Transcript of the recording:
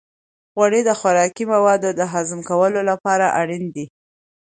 غوړې د خوراکي موادو د هضم کولو لپاره اړینې دي.